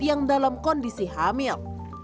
yang dalam kondisi hamil